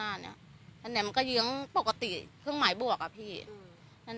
อันเนี้ยมันก็เยื้องปกติเครื่องหมายบวกอะพี่อัน